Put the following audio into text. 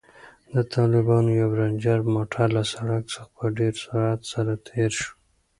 د طالبانو یو رنجر موټر له سړک څخه په ډېر سرعت سره تېر شو.